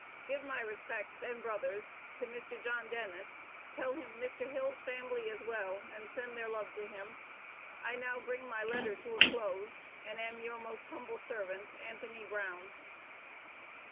Give my respects and brothers to Mr. John Dennes, tel him Mr. Hills famly is wel and send there love to them, I now bring my letter to a close, And am youre most humble Servant, ANTHONY BROWN.